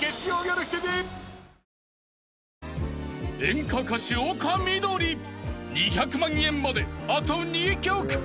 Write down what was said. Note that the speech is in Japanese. ［演歌歌手丘みどり２００万円まであと２曲］